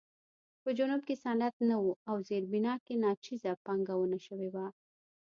په جنوب کې صنعت نه و او زیربنا کې ناچیزه پانګونه شوې وه.